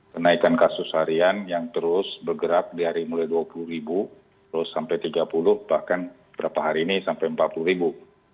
kenaikan kasus harian yang terus bergerak dari mulai dua puluh ribu terus sampai tiga puluh bahkan berapa hari ini sampai empat puluh ribu